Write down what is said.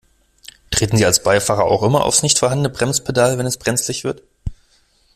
Treten Sie als Beifahrer auch immer aufs nicht vorhandene Bremspedal, wenn es brenzlig wird?